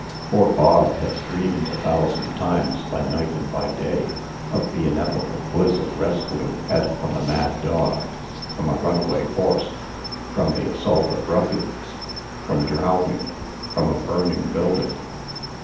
Poor Bog had dreamed a thousand times, by night and by day, of the ineffable bliss of rescuing Pet from a mad dog, from a runaway horse, from the assault of ruffians, from drowning, from a burning building.